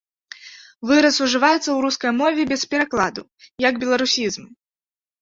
Выраз ужываецца ў рускай мове без перакладу, як беларусізм.